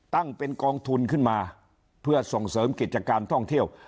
ตั้งเป็นกองทุนขึ้นมาเพื่อส่งเสริมกิจการท่องเที่ยว